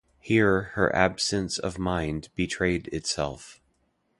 Here her absence of mind betrayed itself.